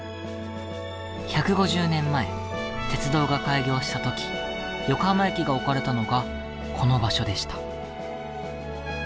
１５０年前鉄道が開業した時横浜駅が置かれたのがこの場所でした。